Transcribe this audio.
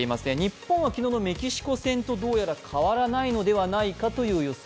日本は昨日のメキシコ戦とどうやら変わらないのではないかいう予想。